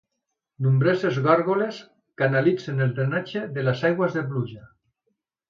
Nombroses gàrgoles canalitzen el drenatge de les aigües de pluja.